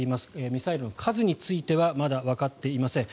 ミサイルの数についてはまだわかっていません。